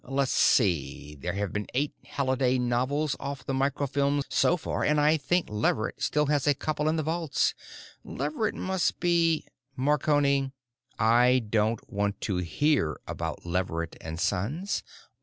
Let's see, there have been eight Halliday novels off the microfilms so far, and I think Leverett still has a couple in the vaults. Leverett must be——" "Marconi. I don't want to hear about Leverett and Sons.